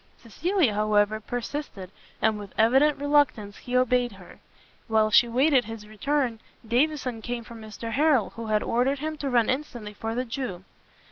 Cecilia, however, persisted, and with evident reluctance he obeyed her. While she waited his return, Davison came from Mr Harrel, who had ordered him to run instantly for the Jew.